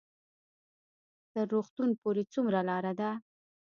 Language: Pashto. تر روغتون پورې څومره لار ده؟